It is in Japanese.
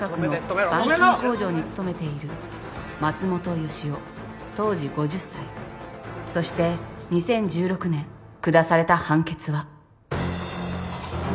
板金工場に勤めている松本良夫当時５０歳そして２０１６年下された判決は。